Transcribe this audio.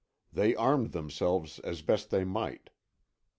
They armed themselves as best they might.